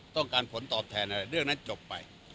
ต้องการผลตอบแทนอะไรเรื่องนั้นจบไป